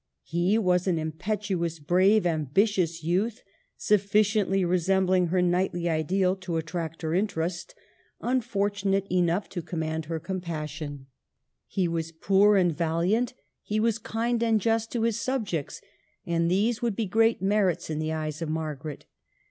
He was an impetuous, brave, ambitious youth, sufficiently resembhng her knightly ideal to attract her interest, unfor 114 MARGARET OF ANGOULEME. tunate enough to command her compassion. He was poor and valiant, he was kind and just to his subjects ; and these would be great merits in the eyes of Margaret.